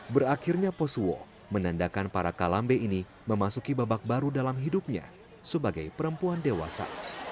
berakhirnya posuo menandakan para kalambe ini memasuki babak baru dalam hidupnya sebagai perempuan dewasa